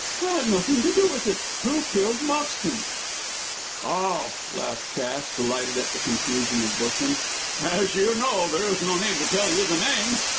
"I had nothing to do with it. Who killed Moxton?" "Oh," laughed Cass, delighted at the confusion of Busham, "as you know there is no need to tell you the name."